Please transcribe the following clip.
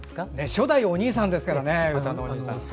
初代おにいさんですからね。